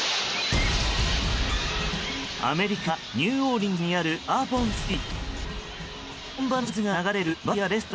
アメリカニューオーリンズにあるバーボンストリート。